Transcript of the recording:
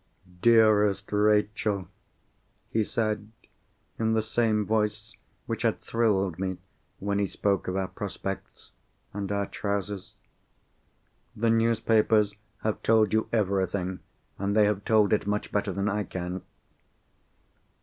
"Dearest Rachel," he said, in the same voice which had thrilled me when he spoke of our prospects and our trousers, "the newspapers have told you everything—and they have told it much better than I can."